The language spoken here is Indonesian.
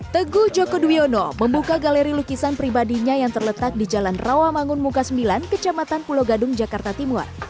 teguh joko duyono membuka galeri lukisan pribadinya yang terletak di jalan rawamangun muka sembilan kecamatan pulau gadung jakarta timur